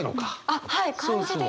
あっはい漢字で。